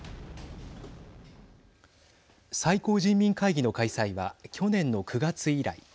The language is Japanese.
最高人民会議の開催は去年の９月以来。